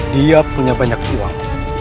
dia punya banyak uang